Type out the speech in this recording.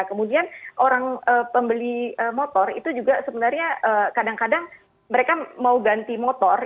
kemudian orang pembeli motor itu juga sebenarnya kadang kadang mereka mau ganti motor